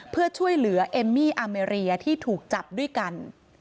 เพื่อช่วยเหลือเอมมี่อาเมรียที่ถูกจับด้วยกัน